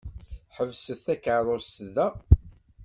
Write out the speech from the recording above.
Ḥebset takeṛṛust da!